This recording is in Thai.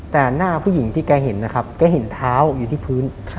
แต่หน้าผู้หญิงที่แกเห็นนะครับแกเห็นเท้าอยู่ที่พื้น